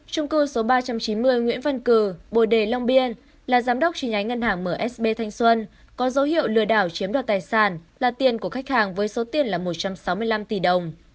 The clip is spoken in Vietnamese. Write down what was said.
có dấu hiệu lừa đảo chiếm đoạt tài sản là tiền của khách hàng với số tiền là một trăm sáu mươi năm tỷ đồng